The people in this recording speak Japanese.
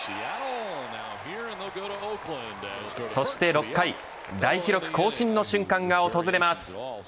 そして６回大記録更新の瞬間が訪れます。